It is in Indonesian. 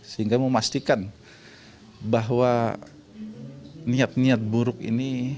sehingga memastikan bahwa niat niat buruk ini